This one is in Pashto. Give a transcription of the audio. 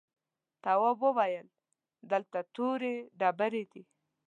تواب وويل: دلته تورې ډبرې دي.